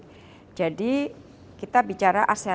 jadi kita bicara asal asal jadi kita bicara asal asal